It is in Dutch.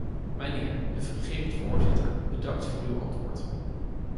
Mijnheer de fungerend voorzitter, bedankt voor uw antwoord.